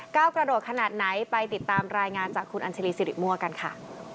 กระโดดขนาดไหนไปติดตามรายงานจากคุณอัญชาลีสิริมั่วกันค่ะ